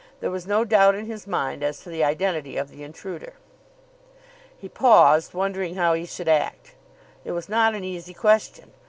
There was no doubt in his mind as to the identity of the intruder. He paused, wondering how he should act. It was not an easy question.